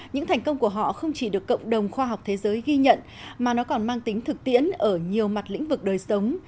những thành công của họ không chỉ được cộng đồng khoa học thế giới ghi nhận mà nó còn mang tính thực tiễn ở nhiều mặt lĩnh vực đời sống